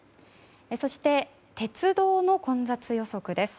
そして鉄道の混雑予測です。